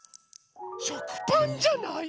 しょくパンじゃない？